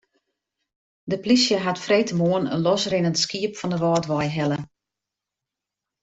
De polysje hat freedtemoarn in losrinnend skiep fan de Wâldwei helle.